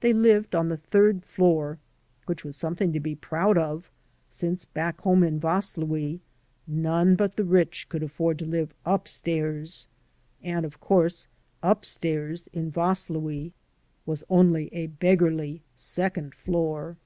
They lived on the third floor, which was something to be proud of, since back home in Vaslui none but the rich could afford to live up stairs; and of course "up stairs" in Vaslui was only a beggarly second floor.